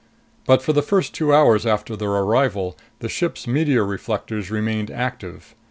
But for the first two hours after their arrival, the ship's meteor reflectors remained active.